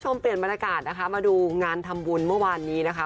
คุณผู้ชมเปลี่ยนบรรยากาศนะคะมาดูงานธรรมบุญเมื่อวานนี้นะคะ